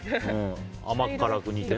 甘辛く煮て。